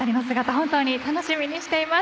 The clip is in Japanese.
本当に楽しみにしています。